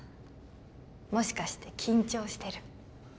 もしかして緊張してる？